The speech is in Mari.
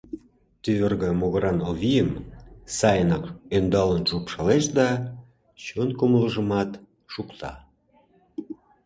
Тӱвыргӧ могыран Овийым сайынак ӧндалын шупшалеш да чон кумылжымат шукта.